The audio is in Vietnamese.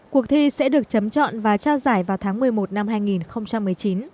cuộc thi sẽ được chấm chọn và trao giải vào tháng một mươi một năm hai nghìn một mươi chín